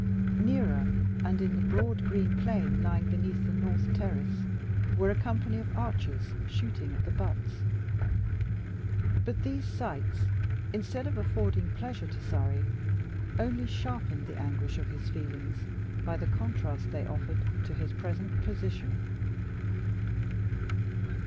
Nearer, and in the broad green plain lying beneath the north terrace, were a company of archers shooting at the butts. But these sights, instead of affording pleasure to Surrey, only sharpened the anguish of his feelings by the contrast they offered to his present position.